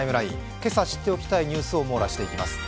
今朝知っておきたいニュースを網羅していきます。